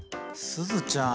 すずちゃん。